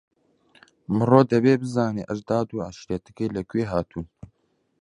مرۆ دەبێ بزانێ ئەژداد و عەشیرەتەکەی لەکوێ هاتوون.